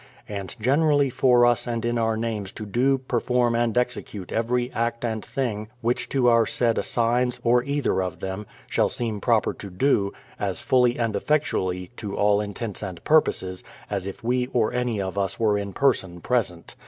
And generally for us and in our names to do, perform, and execute every act and thing which to our said assigns, or either of them, shall seem proper to do, as fully and effectually, to all intents and purposes, as if we or any of us were in person present.